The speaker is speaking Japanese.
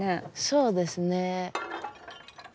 そうですね。